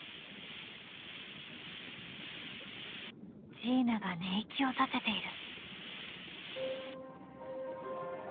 ジーナが寝息を立てている。